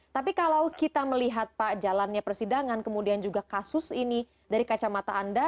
tapi kalau kita melihat pak jalannya persidangan kemudian juga kasus ini dari kacamata anda